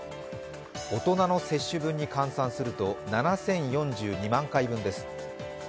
大人の接種分に換算すると７０４２万回分です。